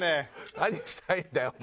何がしたいんだよお前。